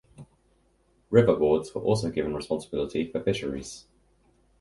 River boards were also given responsibility for fisheries.